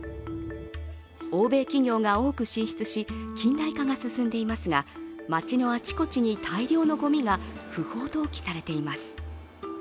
欧米企業が多く進出し、近代化が進んでいますが街のあちこちに大量のごみが不法投棄されています。